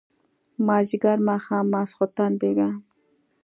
مازيګر ماښام ماسخوتن بېګا